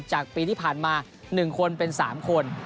จากปีที่ผ่านมา๑คนเป็น๓คน